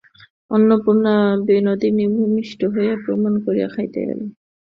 অন্নপূর্ণাকে বিনোদিনী ভূমিষ্ঠ হইয়া প্রণাম করিয়া খাইতে গেল।